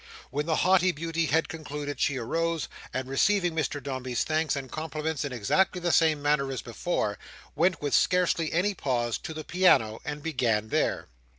When the haughty beauty had concluded, she arose, and receiving Mr Dombey's thanks and compliments in exactly the same manner as before, went with scarcely any pause to the piano, and began there.